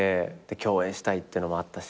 共演したいっていうのもあったし。